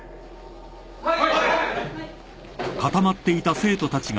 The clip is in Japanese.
はい！